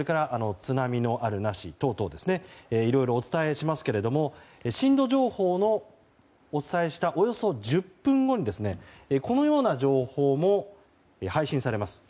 津波のあるなし等々いろいろお伝えしますけれども震度情報をお伝えしたおよそ１０分後にこのような情報も配信されます。